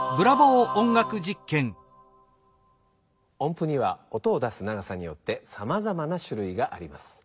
音ぷには音を出す長さによってさまざまなしゅるいがあります。